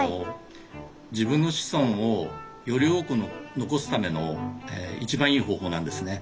自分の子孫をより多く残すための一番いい方法なんですね。